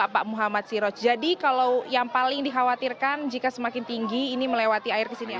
pak muhammad siroj jadi kalau yang paling dikhawatirkan jika semakin tinggi ini melewati air ke sini